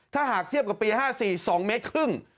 ถ้าหากเทียบกับปี๕๔๒เมตรครึ่ง